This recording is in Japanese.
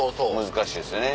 難しいですよね。